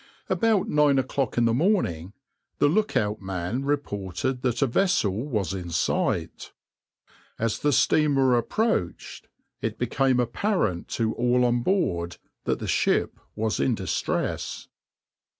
About nine o'clock in the morning the look out man reported that a vessel was in sight. As the steamer approached, it became apparent to all on board that the ship was in distress.